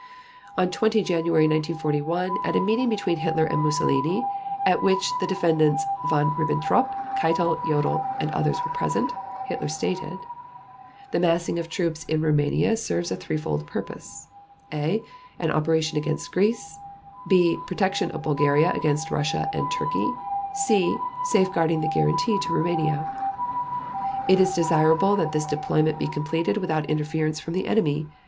On 20 January 1941, at a meeting between Hitler and Mussolini, at which the Defendants Von Ribbentrop, Keitel, Jodl, and others were present, Hitler stated: "The massing of troops in Rumania serves a threefold purpose: (a) An operation against Greece; (b) Protection of Bulgaria against Russia and Turkey; (c) Safeguarding the guarantee to Rumania .... It is desirable that this deployment be completed without interference from the enemy.